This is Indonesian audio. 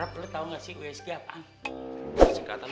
rap lo tau gak sih usb apaan